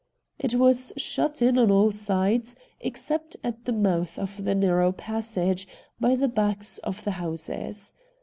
It was shut in on all sides, except at the mouth of the narrow passage, by the backs of the houses.